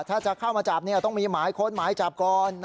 ถ้าจะเข้ามาจับต้องมีหมายค้นหมายจับก่อน